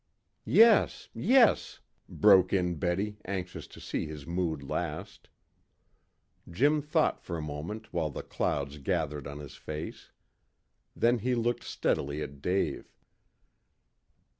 "Yes, yes," broke in Betty, anxious to see his mood last. Jim thought for a moment while the clouds gathered on his face. Then he looked steadily at Dave.